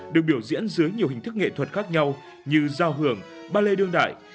được biểu diễn dưới nhiều hình thức nghệ thuật khác nhau như giao hưởng ballet đương đại